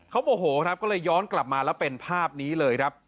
เขาโมโหครับก็เลยย้อนกลับมาแล้วเป็นภาพนี้เลยครับ